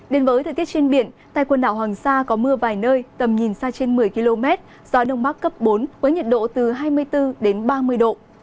đến với thời tiết trên biển tại quần đảo hoàng sa có mưa vài nơi tầm nhìn xa trên một mươi km gió đông bắc cấp bốn với nhiệt độ từ hai mươi bốn đến ba mươi độ